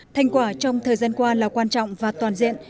thành quả trong thời gian qua là quan trọng và toàn diện